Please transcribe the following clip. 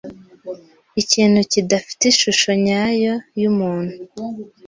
ikintu kidafite ishusho nyayo y’umuntu